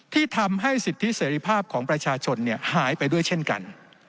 ที่ทำให้สิทธิเสรีภาพของประชาชนหายไปด้วยเช่นกัน